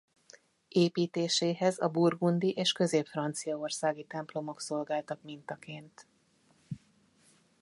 Építéséhez a burgundi és közép-franciaországi templomok szolgáltak mintaként.